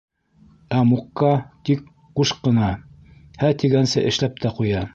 Ә Мукҡа тик ҡуш ҡына, «һә» тигәнсе эшләп тә ҡуя.